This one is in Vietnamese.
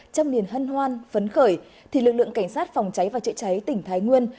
chăm niền hân hoan phấn khởi thì lực lượng cảnh sát phòng cháy và chữa cháy tỉnh thái nguyên